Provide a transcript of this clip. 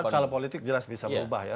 kalau politik jelas bisa berubah ya